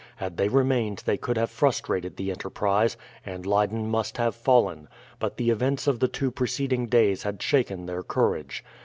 Had they remained they could have frustrated the enterprise, and Leyden must have fallen; but the events of the two preceding days had shaken their courage.